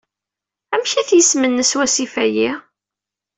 Amek-it yisem-nnes wasif-ayi?